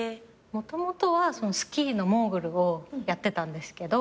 もともとはスキーのモーグルをやってたんですけど。